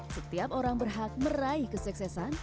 setiap orang berhak meraih kesuksesan